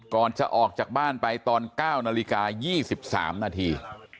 ก่อนจะออกจากบ้านไปตอน๙นาฬิกา๒๓นาที